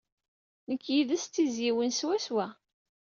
Nekk yid-s d tizzyiwin swaswa.